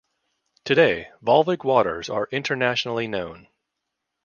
Today, Volvic waters are internationally known.